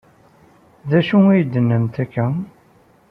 D acu ay d-tennamt akka?